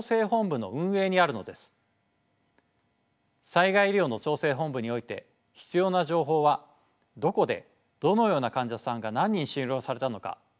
災害医療の調整本部において必要な情報はどこでどのような患者さんが何人収容されたのかという情報です。